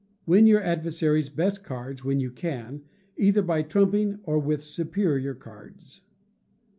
Win your adversary's best cards when you can, either by trumping or with superior cards.